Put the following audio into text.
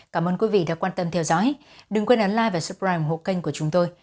cảm ơn quý vị đã quan tâm theo dõi đừng quên ấn like và subscribe ủng hộ kênh của chúng tôi